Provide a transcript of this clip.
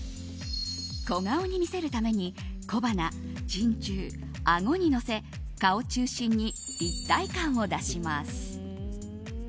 小顔に見せるために小鼻、人中、あごにのせ顔中心に立体感を出します。